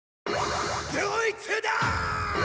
どいつだ！？